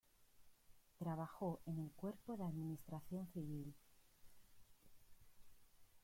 Trabajó en el Cuerpo de Administración Civil.